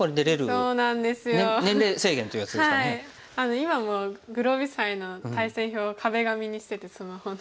今もグロービス杯の対戦表を壁紙にしててスマホの。